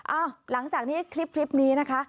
หลังจากนี้คลิปนี้นะคะ